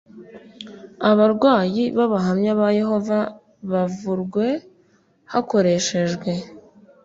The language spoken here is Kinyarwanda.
abarwayi b Abahamya ba Yehova bavurwe hakoreshejwe